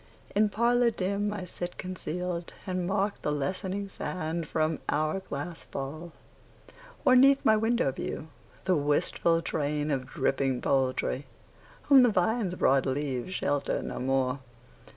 In parlour dim I sit concealed, And mark the lessening sand from hour glass fall; Or 'neath my window view the wistful train Of dripping poultry, whom the vine's broad leaves Shelter no more.